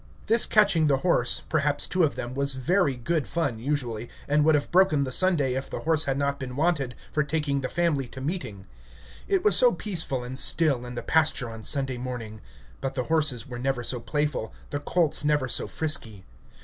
This catching the horse, perhaps two of them, was very good fun usually, and would have broken the Sunday if the horse had not been wanted for taking the family to meeting. It was so peaceful and still in the pasture on Sunday morning; but the horses were never so playful, the colts never so frisky.